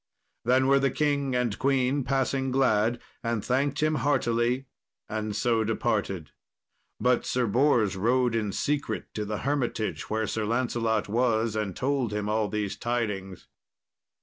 Then were the king and queen passing glad, and thanked him heartily, and so departed. But Sir Bors rode in secret to the hermitage where Sir Lancelot was, and told him all these tidings.